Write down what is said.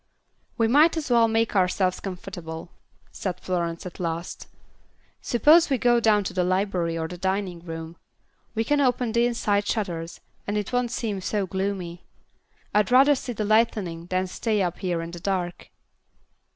"We might as well make ourselves comfortable," Florence said at last. "Suppose we go down to the library or the dining room. We can open the inside shutters, and it won't seem so gloomy. I'd rather see the lightning than stay up here in the dark."